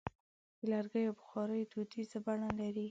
د لرګیو بخاري دودیزه بڼه لري.